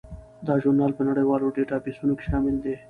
دا ژورنال په نړیوالو ډیټابیسونو کې شامل دی.